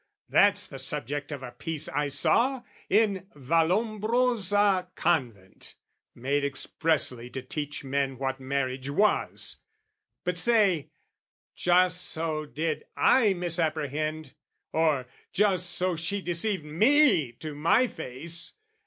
That's the subject of a piece I saw in Vallombrosa Convent, made Expressly to teach men what marriage was! But say "Just so did I misapprehend!" Or "Just so she deceived me to my face!"